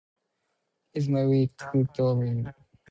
He is married to Dorine.